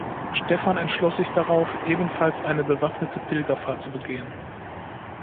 Stephan entschloss sich darauf, ebenfalls eine bewaffnete Pilgerfahrt zu begehen.